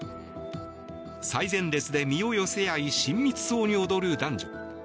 最前列で身を寄せ合い親密そうに踊る男女。